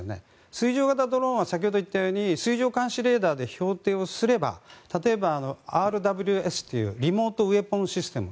水上型ドローンは先ほど言ったように水上監視レーダーで標定すれば例えばＲＷＳというリモート・ウェポン・システム。